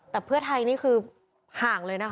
แต่เพื่อไทยนี่คือห่างเลยนะคะ